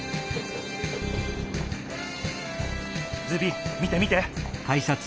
ズビ見て見て！